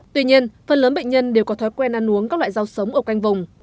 tuy nhiên phần lớn bệnh nhân đều có thói quen ăn uống các loại rau sống ở canh vùng